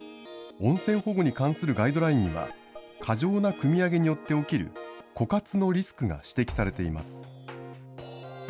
温泉保護に関するガイドラインには、過剰なくみ上げによって起きる枯渇のリスクが指摘されています。